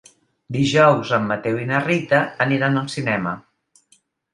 Dijous en Mateu i na Rita aniran al cinema.